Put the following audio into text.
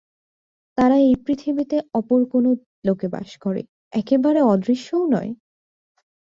তারা এই পৃথিবীতে অপর কোন লোকে বাস করে, একেবারে অদৃশ্যও নয়।